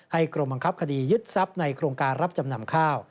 กรมบังคับคดียึดทรัพย์ในโครงการรับจำนำข้าว